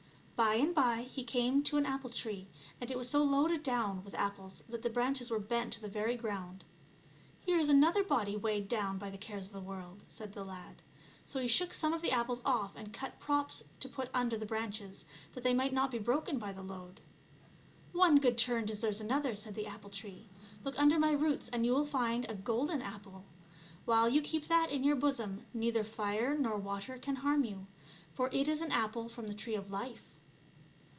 By and by he came to an apple tree, and it was so loaded down witt apples that the branches were bent to the very ground. " Here is another body weighed down by the cares of the world," said the lad. So he shook some of the apples off and cut props to put under the branches, that they might not be broken by the load. " One good turn deserves another," said the apple tree. " Look under my roots and you will find a golden apple; while you keep that in your bosom neither fire nor water can harm you, for it is an apple from the tree of life."